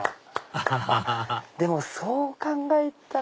アハハハでもそう考えたら。